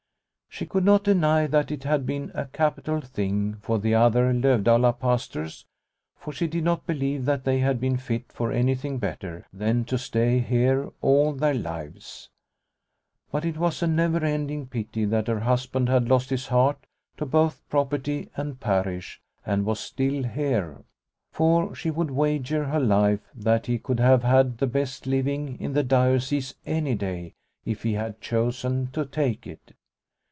She could not deny that it had been a capital thing for the other Lovdala pastors, for she did not believe that they had been fit for anything better than to stay here all their lives. But it was a never ending pity that her husband had lost his heart to both property and parish and was still here. For she would wager her life that he could have had the best living in the diocese any day if he had chosen to take it.